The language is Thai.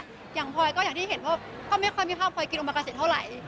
อย่างพลอยก็อย่างที่เห็นว่าก็ไม่ค่อยมีภาพพลอยกินออกมากาสินเท่าไหร่